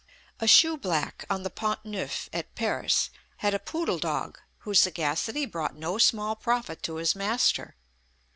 A shoe black on the Pont Neuf at Paris had a poodle dog, whose sagacity brought no small profit to his master.